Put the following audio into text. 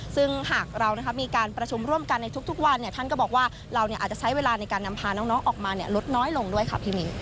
ซึ่งหากเรามีการประชุมร่วมกันในทุกวันท่านก็บอกว่าเราอาจจะใช้เวลาในการนำพาน้องออกมาลดน้อยลงด้วยค่ะพี่มิ้น